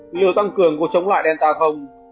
liều tăng cường có chống lại delta không